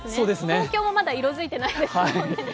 東京もまだ色づいてないですもんね。